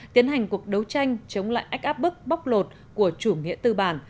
tiến hành cuộc đấu tranh chống lại ách áp bức bóc lột của chủ nghĩa tư bản